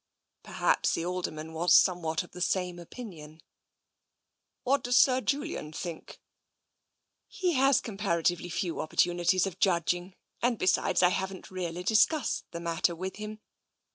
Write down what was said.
Perhaps the Alderman was somewhat of the same opinion. What does Sir Julian think ?" He has comparatively few opportunities of judg ing; and besides, I haven't really discussed the matter with him.